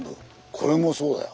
これもそうだよ。